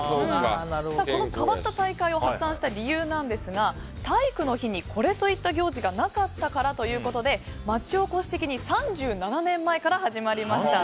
この変わった大会を発案した理由なんですが体育の日にこれといった行事がなかったからということで町おこし的に３７年前から始まりました。